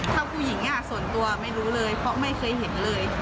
ถ้าผู้หญิงส่วนตัวไม่รู้เลยเพราะไม่เคยเห็นเลย